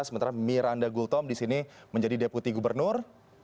sementara miranda gultom disini menjadi deputi gubernur